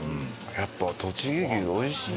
やっぱとちぎ牛おいしい。